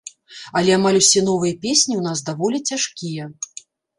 Але амаль усе новыя песні ў нас даволі цяжкія.